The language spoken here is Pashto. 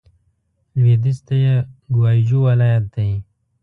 لوېدیځ ته یې ګوای جو ولايت دی.